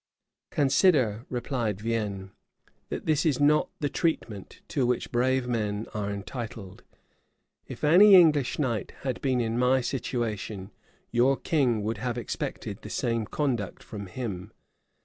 "Consider," replied Vienne, "that this is not the treatment to which brave men are entitled: if any English knight had been in my situation, your king would have expected the same conduct from him.